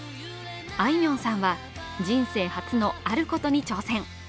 あいみょんさんは、人生初のあることに挑戦。